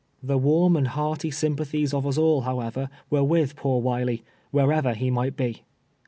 The warm and hearty symiiathies of ns all, however, were with poor Wiley, wherever he might be.